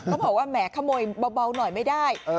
เขาบอกว่าแหมขโมยเบาหน่อยไม่ได้